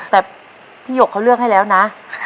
แต่พี่หยกเขาเลือกให้แล้วนะ